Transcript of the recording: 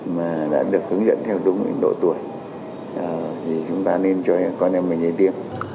mà đã được hướng dẫn theo đúng độ tuổi thì chúng ta nên cho con em mình đi tiêm